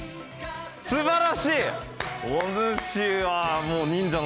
すばらしい！